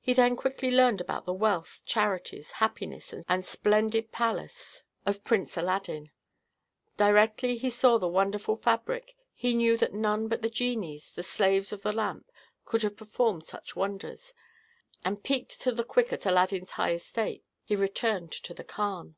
He then quickly learned about the wealth, charities, happiness, and splendid palace of Prince Aladdin. Directly he saw the wonderful fabric, he knew that none but the genies, the slaves of the lamp, could have performed such wonders; and piqued to the quick at Aladdin's high estate, he returned to the khan.